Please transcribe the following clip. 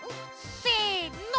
せの！